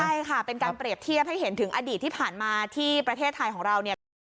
ใช่ค่ะเป็นการเปรียบเทียบให้เห็นถึงอดีตที่ผ่านมาที่ประเทศไทยของเราเนี่ย